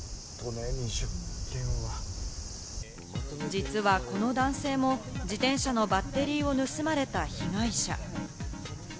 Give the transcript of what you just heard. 実はこの男性も自転車のバッテリーを盗まれた被害者。